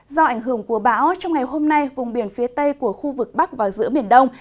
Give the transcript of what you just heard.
do ảnh hưởng của bão trong ngày hôm nay vùng biển phía tây của khu vực bắc và giữa biển đông